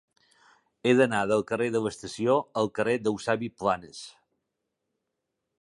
He d'anar del carrer de l'Estació al carrer d'Eusebi Planas.